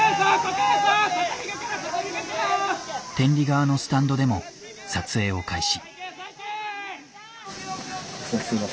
天理側のスタンドでも撮影を開始。